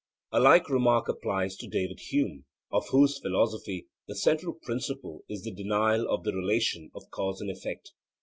A like remark applies to David Hume, of whose philosophy the central principle is the denial of the relation of cause and effect.